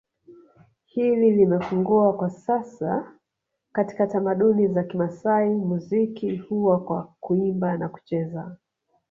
hili limepungua kwa sasa katika tamaduni za Kimasai muziki huwa kwa Kuimba na kucheza